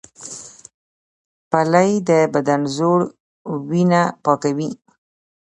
پلی د بدن زوړ وینه پاکوي